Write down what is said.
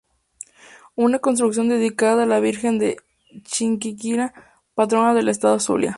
Una construcción dedicada a la Virgen de Chiquinquirá, patrona del estado Zulia.